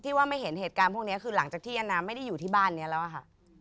ว่าไม่เห็นเหตุการณ์พวกนี้คือหลังจากที่อาณาไม่ได้อยู่ที่บ้านนี้แล้วอะค่ะ